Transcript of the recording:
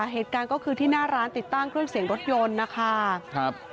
เหตุการณ์ก็คือที่หน้าร้านติดตั้งเครื่องเสียงรถยนต์นะคะครับ